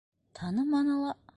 Таныманы ла.